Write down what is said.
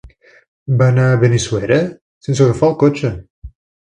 Va anar a Benissuera sense agafar el cotxe.